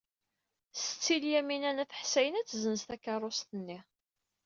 Setti Lyamina n At Ḥsayen ad tessenz takeṛṛust-nni.